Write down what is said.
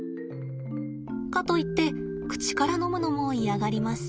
かといって口から飲むのも嫌がります。